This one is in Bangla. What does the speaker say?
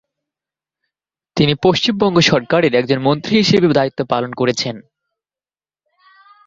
তিনি পশ্চিমবঙ্গ সরকারের একজন মন্ত্রী হিসেবেও দায়িত্ব পালন করেছেন।